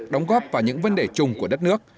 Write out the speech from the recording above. đóng góp vào những vấn đề chung của đất nước